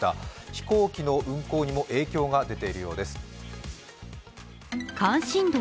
飛行機の運航にも影響が出ているようです。